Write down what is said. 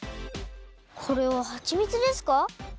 これははちみつですか？